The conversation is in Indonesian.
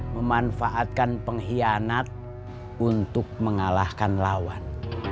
memanfaatkan pengkhianat untuk mengalahkan lawan